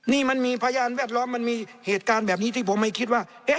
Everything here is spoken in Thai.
นี่มันมีพยานแวดล้อมมันมีเหตุการณ์แบบนี้ที่ผมไม่คิดว่า